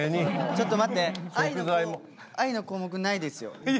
ちょっと待って「愛」の項目ないですよ。